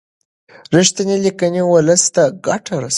رښتینې لیکنې ولس ته ګټه رسوي.